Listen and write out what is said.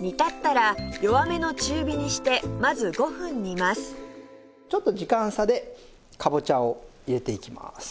煮立ったら弱めの中火にしてまずちょっと時間差でかぼちゃを入れていきます。